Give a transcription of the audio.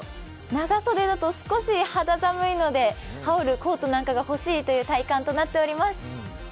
長袖だと少し肌寒いので羽織るコートなんかが欲しい体感となっています。